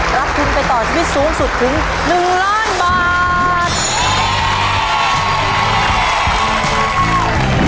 รับทุนไปต่อชีวิตสูงสุดถึง๑ล้านบาท